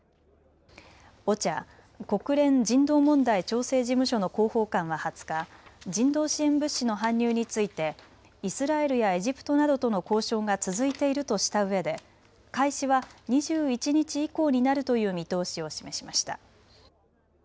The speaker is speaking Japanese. ＯＣＨＡ・国連人道問題調整事務所の広報官は２０日、人道支援物資の搬入についてイスラエルやエジプトなどとの交渉が続いているとしたうえで開始は２１日以降になるという見通しを示しました。